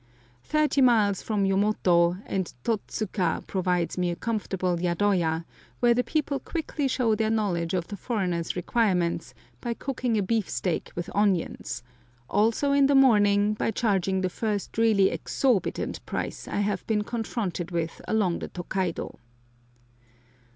Thirty miles from Yomoto, and Totsuka provides me a comfortable yadoya, where the people quickly show their knowledge of the foreigner's requirements by cooking a beefsteak with onions, also in the morning by charging the first really exorbitant price I have been confronted with along the Tokaido.